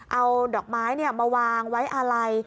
เอาดอกไม้เนี่ยมาวางไว้อะไร